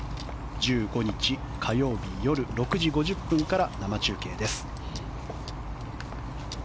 １５日火曜日夜６時５０分から生中継です。